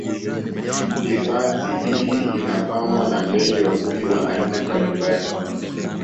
Hifadhii hii inapambwa na ndege wazuri wa aina mbalimbali